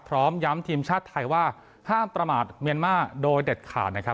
พร้อมย้ำทีมชาติไทยว่าห้ามประมาทเมียนมาร์โดยเด็ดขาดนะครับ